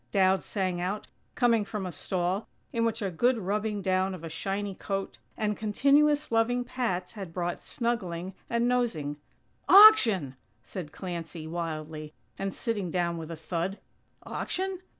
Dowd sang out, coming from a stall, in which a good rubbing down of a shiny coat, and continuous loving pats had brought snuggling and nosing. "Auction!!" said Clancy, wildly, and sitting down with a thud. "Auction?